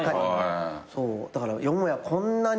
だからよもやこんなに。